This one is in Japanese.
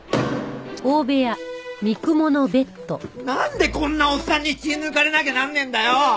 なんでこんなおっさんに血抜かれなきゃなんねえんだよ！